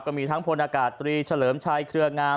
มีทั้งพลอากาศตรีเฉลิมชัยเครืองาม